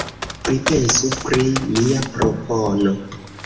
Pripensu pri mia propono.